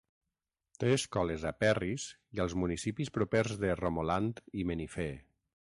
Té escoles a Perris i als municipis propers de Romoland i Menifee.